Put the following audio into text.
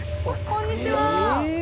こんにちは。